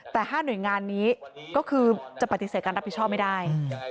แต่๕หน่วยงานนี้ก็คือจะปฏิเสธการรับผิดชอบไม่ได้